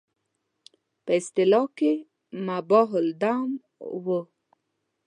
په اصطلاح مباح الدم وو.